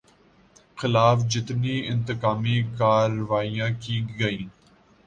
خلاف جتنی انتقامی کارروائیاں کی گئیں